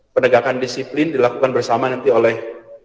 penegakan disiplin dilakukan bersama nanti oleh